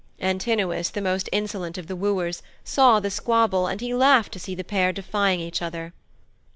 Antinous, the most insolent of the wooers, saw the squabble, and he laughed to see the pair defying each other.